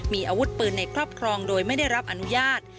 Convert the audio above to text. มีอาวุธปืนในครอบครองโดยไม่ได้รับอนุญาต